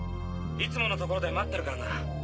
いつもの所で待ってるからな。